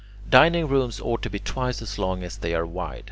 Dining rooms ought to be twice as long as they are wide.